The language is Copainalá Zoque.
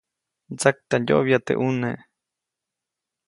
Mtsaktandyoʼbya teʼ ʼune.